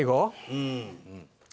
うん。